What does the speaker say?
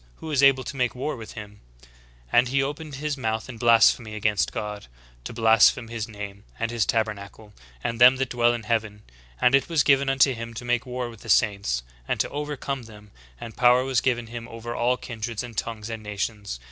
who is able to make war with him? *=«=* And he opened his mouth in blasphemy against God, to blaspheme His name, and His tabernacle, and them that dwell in heaven. And it was given unto him to make war with the saints, and to overcome them : and power was given him over all kindreds, and tongues, and nations.